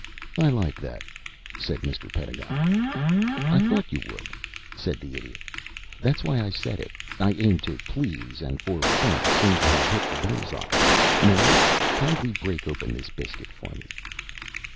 "I like that," said Mr. Pedagog. "I thought you would," said the Idiot. "That's why I said it. I aim to please, and for once seem to have hit the bull's eye. Mary, kindly break open this biscuit for me."